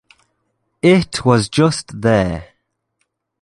It was just there.